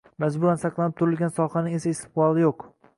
Majburan saqlab turilgan sohaning esa istiqboli yo‘q.